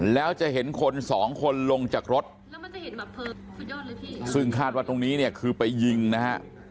แล้วจะเห็นคนสองคนลงจากรถซึ่งคาดว่าตรงนี้เนี่ยคือไปยิงนะฮะ